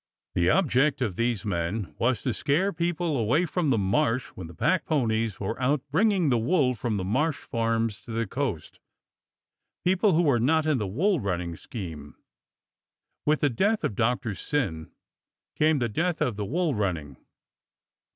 The object of these men was to scare people away from the Marsh when the pack ponies were out bringing the wool from the Marsh farms to the coast — people who were not in the wool running scheme. With the death of Doctor Syn came the death of the wool running.